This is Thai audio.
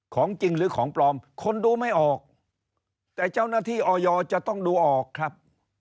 ของจริงหรือของปลอมคนดูไม่ออกแต่เจ้าหน้าที่ออยจะต้องดูออกครับ